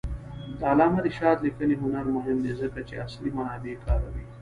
د علامه رشاد لیکنی هنر مهم دی ځکه چې اصلي منابع کاروي.